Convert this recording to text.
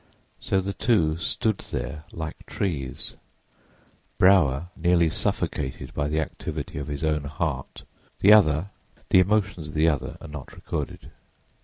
So the two stood there like trees, Brower nearly suffocated by the activity of his own heart; the other—the emotions of the other are not recorded.